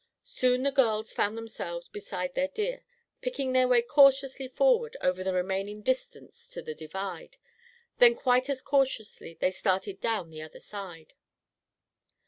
Soon the girls found themselves beside their deer, picking their way cautiously forward over the remaining distance to the divide; then quite as cautiously they started down the other side.